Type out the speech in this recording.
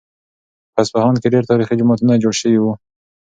په اصفهان کې ډېر تاریخي جوماتونه جوړ شوي وو.